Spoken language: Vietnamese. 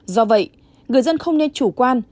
do vậy người dân không nên chủ quan